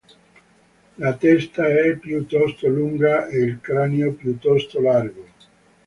La testa è piuttosto lunga e il cranio piuttosto largo.